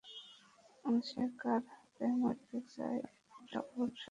সে কার হাতে মরতে চায়, এটা ওর স্বাধীনতা।